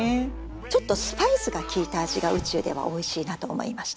ちょっとスパイスが効いた味が宇宙ではおいしいなと思いました。